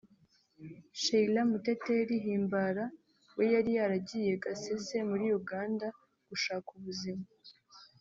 Cheilla Muteteri Himbara we yari yaragiye Gasese muri Uganda gushaka ubuzima